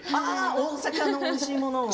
大阪のおいしいものを。